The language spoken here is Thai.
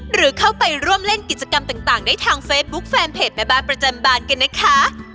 หรือเข้าไปร่วมเล่นกิจกรรมต่างได้ทางเฟซบุ๊คแฟนเพจแม่บ้านประจำบานกันนะคะ